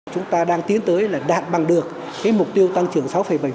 chúng ta đang tiến tới là đạt bằng được mục tiêu tăng trưởng sáu bảy